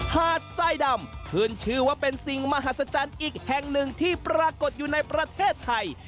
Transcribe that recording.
หาดไส้ดำขึ้นชื่อว่าเป็นสิ่งมหัศจรรย์อีกแห่งหนึ่งที่ปรากฏอยู่ในประเทศไทย